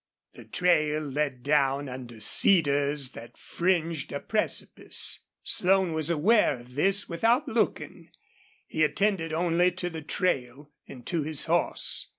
The trail led down under cedars that fringed a precipice. Slone was aware of this without looking. He attended only to the trail and to his horse.